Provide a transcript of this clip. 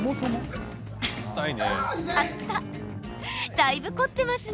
だいぶ、凝ってますね。